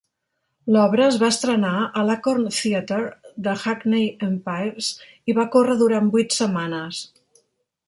L'obra es va estrenar a l' "Acorn Theatre" de Hackney Empires i va córrer durant vuit setmanes.